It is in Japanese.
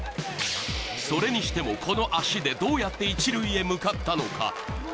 それにしても、この足でどうやって一塁へ向かったのか。